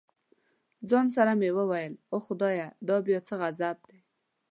له ځان سره مې وویل اوه خدایه دا بیا څه غضب دی.